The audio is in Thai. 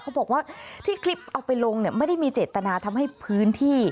เขาบอกว่าที่คลิปเอาไปลงเนี่ยไม่ได้มีเจตนาทำให้พื้นที่